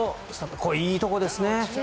これ、いいところですね。